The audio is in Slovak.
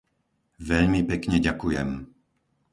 Veľmi pekne ďakujem!.